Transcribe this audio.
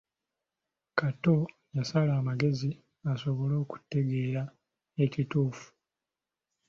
Kato yasala amagezi asobole okutegeera ekituufu.